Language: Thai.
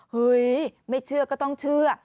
เฮ้ยไม่เชื่อก็ต้องเชื่อ